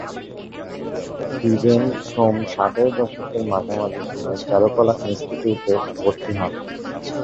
বীরেন সোম ষাটের দশকের মাঝামাঝি সময়ে চারুকলা ইনস্টিটিউটে ভর্তি হন।